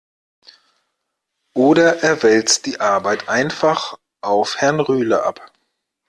Oder er wälzt die Arbeit einfach auf Herrn Rühle ab.